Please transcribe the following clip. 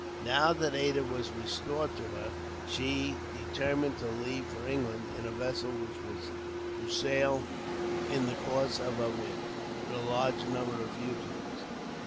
Now that Ada was restored to her, she determined to leave for England; in a vessel which was to sail, in the course of a week, with a large number of fugitives.